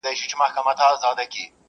خدایه مینه د قلم ور کړې په زړو کي ,